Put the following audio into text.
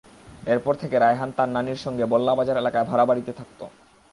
এরপর থেকে রায়হান তার নানির সঙ্গে বল্লা বাজার এলাকায় ভাড়াবাড়িতে থাকত।